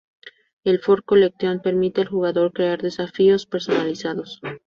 El Ford Collection permite al jugador crear desafíos personalizados.